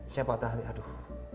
saya patah hati aduh